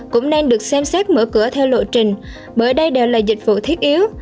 cũng nên được xem xét mở cửa theo lộ trình bởi đây đều là dịch vụ thiết yếu